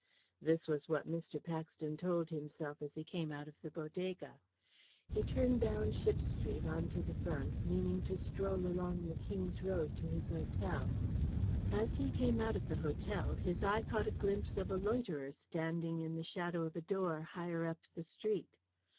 This was what Mr. Paxton told himself as he came out of the Bodega. He turned down Ship Street, on to the front, meaning to stroll along the King's Road to his hotel. As he came out of the hotel his eye caught a glimpse of a loiterer standing in the shadow of a door higher up the street.